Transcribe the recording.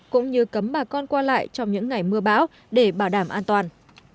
cũng như cấm bà con qua lại trong những ngày mưa bão để bảo đảm an toàn